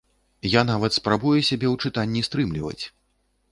Я нават спрабую сябе ў чытанні стрымліваць.